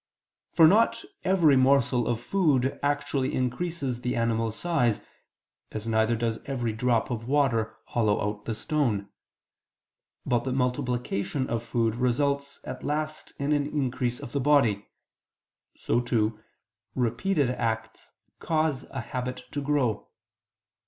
For not every morsel of food actually increases the animal's size as neither does every drop of water hollow out the stone: but the multiplication of food results at last in an increase of the body. So, too, repeated acts cause a habit to grow.